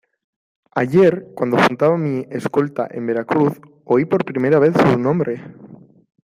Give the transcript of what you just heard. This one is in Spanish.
ayer, cuando juntaba mi escolta en Veracruz , oí por primera vez su nombre...